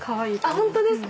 本当ですか？